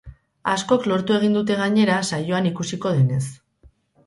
Askok lortu egin dute, gainera, saioan ikusiko denez.